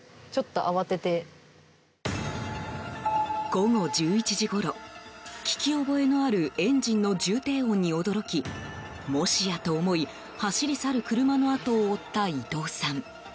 午後１１時ごろ聞き覚えのあるエンジンの重低音に驚きもしやと思い、走り去る車の後を追った伊藤さん。